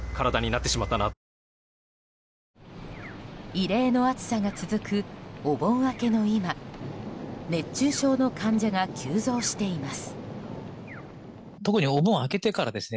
異例の暑さが続くお盆明けの今熱中症の患者が急増しています。